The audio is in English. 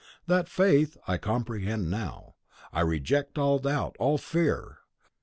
That faith I comprehend now. I reject all doubt, all fear.